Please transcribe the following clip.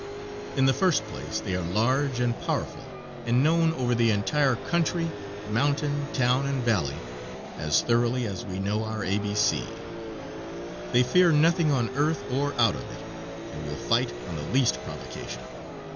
In the first place they are large and powerful and known over the entire country, mountain, town, and valley, as thoroughly as we know our A, B, C. They fear nothing on earth, or out of it, and will fight on the least provocation.